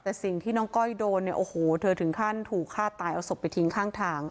แต่สิ่งที่น้องก้อยโดนเนี่ยโอ้โหเธอถึงขั้นถูกฆ่าตายเอาศพไปทิ้งข้างทาง